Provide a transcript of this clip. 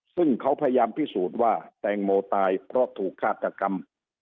ซึ่งเขาพยายามพิสูจน์ว่าแตงโมตายเพราะถูกฆาตกรรม